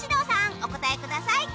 お答えください。